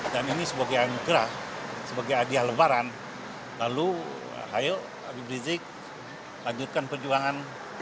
dan ini sebagai anugerah sebagai adiah lebaran lalu ayo rizik lanjutkan perjuangan